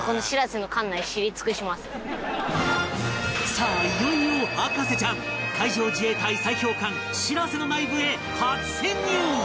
さあいよいよ博士ちゃん海上自衛隊砕氷艦「しらせ」の内部へ初潜入！